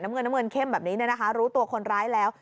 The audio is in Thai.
เงินน้ำเงินเข้มแบบนี้เนี่ยนะคะรู้ตัวคนร้ายแล้ว